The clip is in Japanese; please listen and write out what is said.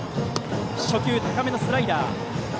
初球は高めのスライダー。